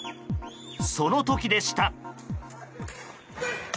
その時でした。